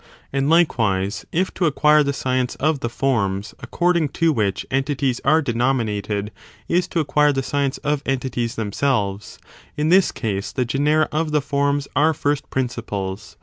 And, likewise, if to acquire the science of the forms according to which entities are denominated is to acquire the science of entities themselves, in this case the genera of the forms are first principles.